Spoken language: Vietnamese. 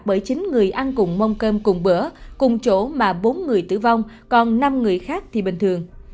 bởi chín người ăn cùng mông cơm cùng bữa cùng chỗ mà bốn người tử vong còn năm người khác thì bình thường